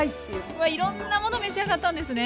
まあいろんなものを召し上がったんですね。